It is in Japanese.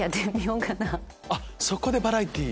そこでバラエティー！